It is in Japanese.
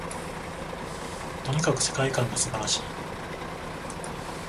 とにかく世界観が素晴らしい